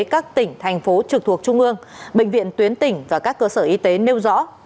các tỉnh thành phố trực thuộc trung ương bệnh viện tuyến tỉnh và các cơ sở y tế nêu rõ